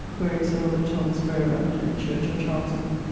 [Quaere Sir Robert Thomas whereabout in the church or chancell.